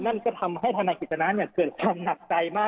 นั่นก็ทำให้ธนายกิจสนาเกิดความหนักใจมาก